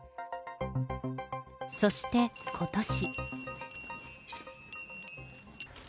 そしてことし。